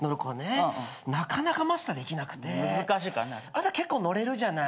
あなた結構乗れるじゃない。